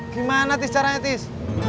gimana tis caranya tis